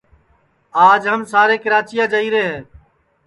آج ہم سارے کراچیا جائیرے ہے